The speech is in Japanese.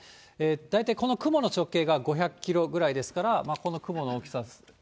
大体この雲の直径が５００キロぐらいですから、この雲の大きさです。